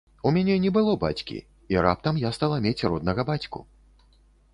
У мяне не было бацькі, і раптам я стала мець роднага бацьку.